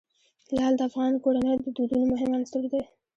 لعل د افغان کورنیو د دودونو مهم عنصر دی.